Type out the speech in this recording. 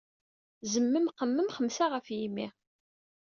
Zemmem qemmem xemsa ɣef yimi!